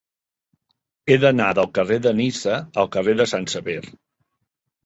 He d'anar del carrer de Niça al carrer de Sant Sever.